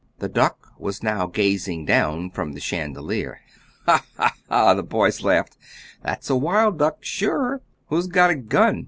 The duck was now gazing down from the chandelier! "Ha! ha! ha!" the boys laughed, "that's a wild duck, sure!" "Who's got a gun!"